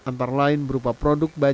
antara lain berupa produk